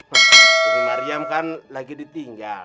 tapi mariam kan lagi ditinggal